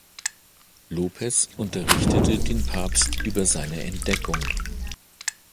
Lopez unterrichtete den Papst über seine Entdeckung.